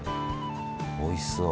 おいしそう。